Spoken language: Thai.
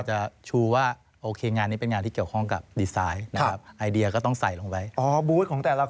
จะชูว่าโอเคงานที่เป็นหน้าที่เกี่ยวข้องกับดีไซน์ฮ่ะไอเดียก็ต้องใส่ลงไปบูจิของแต่ละคน